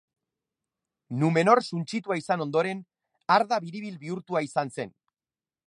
Numenor suntsitua izan ondoren, Arda biribil bihurtua izan zen.